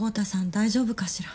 大丈夫かしら。